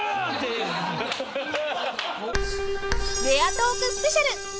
［レアトークスペシャル］